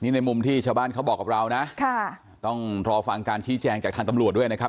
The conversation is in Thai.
ในมุมที่ชาวบ้านเขาบอกกับเรานะต้องรอฟังการชี้แจงจากทางตำรวจด้วยนะครับ